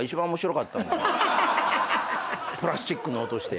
プラスチックの音して。